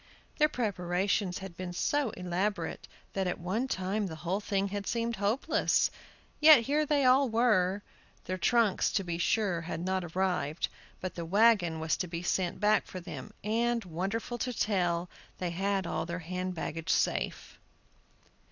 Their preparations had been so elaborate that at one time the whole thing had seemed hopeless; yet here they all were. Their trunks, to be sure, had not arrived; but the wagon was to be sent back for them, and, wonderful to tell, they had all their hand baggage safe.